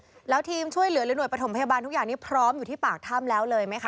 แล้วทีมช่วยเหลือหรือหน่วยปฐมพยาบาลทุกอย่างนี้พร้อมอยู่ที่ปากถ้ำแล้วเลยไหมคะ